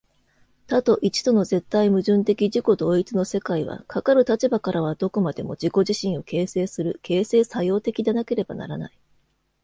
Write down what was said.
多と一との絶対矛盾的自己同一の世界は、かかる立場からはどこまでも自己自身を形成する、形成作用的でなければならない。